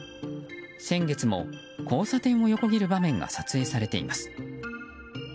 先月も交差点を横切る場面が撮影されています。